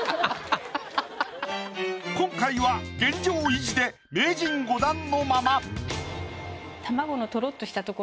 今回は現状維持で名人５段のまま。